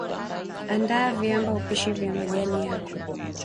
andaa viamba upishi vya majani yako